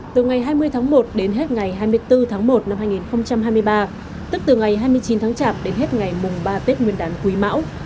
từ ngày hai mươi tháng một đến hết ngày hai mươi bốn tháng một năm hai nghìn hai mươi ba tức từ ngày hai mươi chín tháng chạp đến hết ngày mùng ba tết nguyên đán quý mão